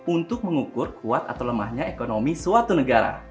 untuk mengukur kuat atau lemahnya ekonomi suatu negara